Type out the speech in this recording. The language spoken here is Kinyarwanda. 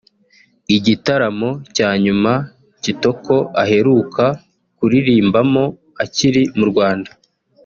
Igitaramo cya nyuma Kitoko aheruka kuririmbamo akiri mu Rwanda